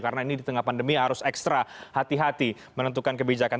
karena ini di tengah pandemi harus ekstra hati hati menentukan kebijakan